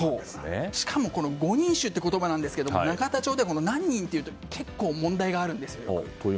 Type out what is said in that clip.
しかも５人衆って言葉ですけど永田町では何人というと結構問題があるんですよ。